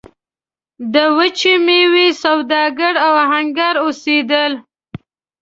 د وچې میوې سوداګر او اهنګران اوسېدل.